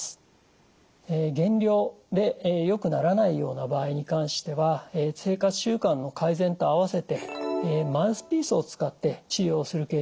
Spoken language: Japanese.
減量でよくならないような場合に関しては生活習慣の改善と併せてマウスピースを使って治療するケースもあります。